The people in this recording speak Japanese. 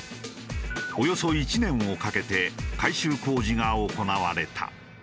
およそ１年をかけて改修工事が行われた。